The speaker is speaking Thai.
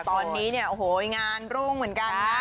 ตอนนี้เนี่ยโอ้โหงานรุ่งเหมือนกันนะ